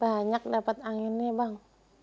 banyak dapet anginnya bang